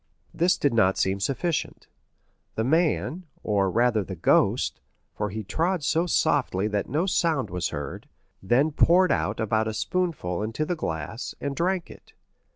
This did not seem sufficient; the man, or rather the ghost—for he trod so softly that no sound was heard—then poured out about a spoonful into the glass, and drank it.